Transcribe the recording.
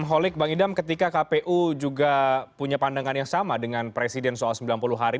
bang holik bang idam ketika kpu juga punya pandangan yang sama dengan presiden soal sembilan puluh hari